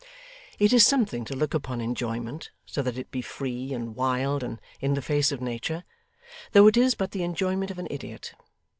It is something to look upon enjoyment, so that it be free and wild and in the face of nature, though it is but the enjoyment of an idiot.